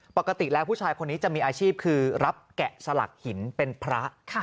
ปกติแล้วผู้ชายคนนี้จะมีอาชีพคือรับแกะสลักหินเป็นพระ